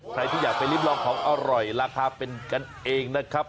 ใครที่อยากไปริมลองของอร่อยราคาเป็นกันเองนะครับ